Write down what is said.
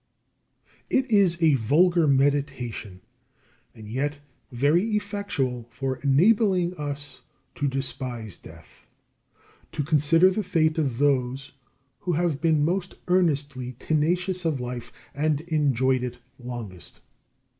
50. It is a vulgar meditation, and yet very effectual for enabling us to despise death, to consider the fate of those who have been most earnestly tenacious of life, and enjoyed it longest.